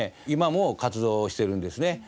今も活動をしてるんですね。